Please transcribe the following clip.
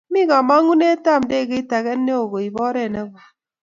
Mi kamangunetab ab ndegeit ake neo kiib oret ne koi.